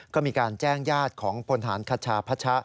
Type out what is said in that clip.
ก็มีการแจ้งญาติของพลฐานคชาพัชะ